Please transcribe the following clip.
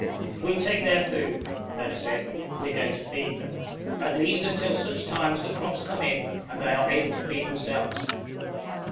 "If we take their food," Renner said, "we're going to feed them. At least until such time as the crops come in, and they are able to feed themselves!"